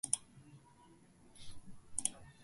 Боркенкою халуун үзэж тэмдэглэх ажлаа хийж байв.